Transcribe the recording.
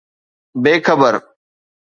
بي خبر